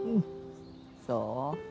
そう。